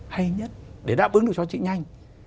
hay nhất để đáp ứng được cho chị nhanh